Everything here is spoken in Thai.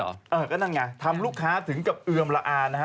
เออก็นั่นไงทำลูกค้าถึงกับเอือมละอานะฮะ